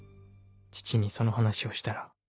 父にその話をしたら。